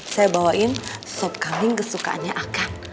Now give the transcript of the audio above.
saya bawain sop kambing kesukaannya akan